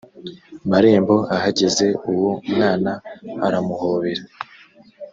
marembo ahageze uwo mwana aramuhobera